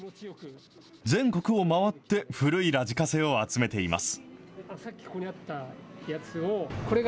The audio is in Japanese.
全国を回って古いラジカセを集めています。